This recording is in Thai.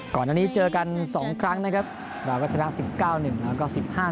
ก่อนอันนี้เจอกัน๒ครั้งนะครับเราก็ชนะ๑๙๑แล้วก็๑๕